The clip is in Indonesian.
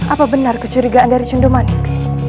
apa benar kecurigaan dari cundomanik